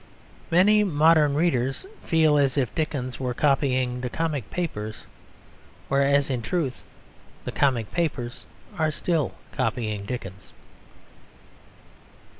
Many modern readers feel as if Dickens were copying the comic papers, whereas in truth the comic papers are still copying Dickens.